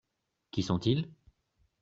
Qui sont-ils ?